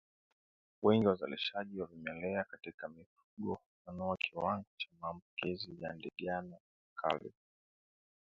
Wingi wa uzalishaji wa vimelea katika mifugo hufafanua kiwango cha maambukizi ya ndigana kali